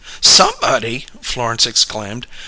"'Somebody'!" Florence exclaimed.